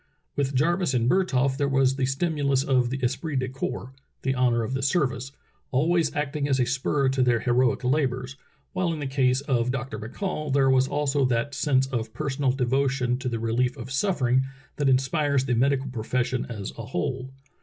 With Jarvis and Bertholf there was the stimulus of the esprit de corps, the honor of the service, always act ing as a spur to their heroic labors, while in the case of Dr. McCall there was also that sense of personal devo tion to the relief of suffering that inspires the medical profession as a whole.